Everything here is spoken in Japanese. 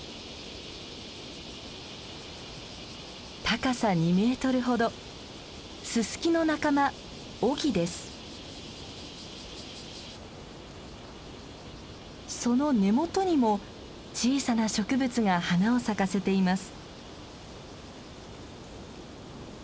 高さ２メートルほどススキの仲間その根元にも小さな植物が花を咲かせています。